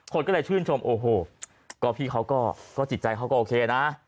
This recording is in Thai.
คนก็เลยชื่นชมโอ้โหก็พี่เขาก็จิตใจเขาก็โอเคนะ